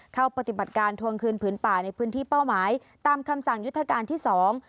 เข้าปฏิบัติการทวงคืนผืนป่าในพื้นที่เป้าหมายตามคำสั่งยุทธการที่สอง